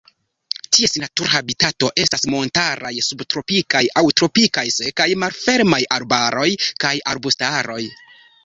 Ties natura habitato estas montaraj subtropikaj aŭ tropikaj sekaj malfermaj arbaroj kaj arbustaroj.